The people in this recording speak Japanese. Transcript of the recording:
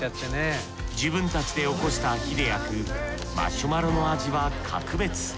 自分たちでおこした火で焼くマシュマロの味は格別。